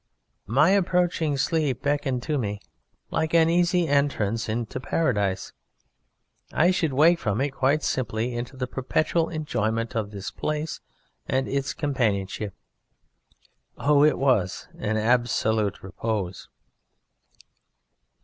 My approaching sleep beckoned to me like an easy entrance into Paradise. I should wake from it quite simply into the perpetual enjoyment of this place and its companionship. Oh, it was an absolute repose!